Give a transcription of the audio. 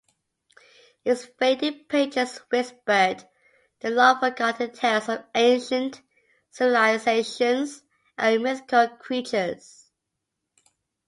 Its faded pages whispered the long-forgotten tales of ancient civilizations and mythical creatures.